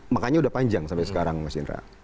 makanya udah panjang sampai sekarang mas indra